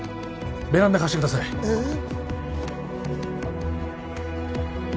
ベランダ貸してくださいええ